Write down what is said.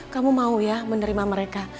kamu mau ya menerima mereka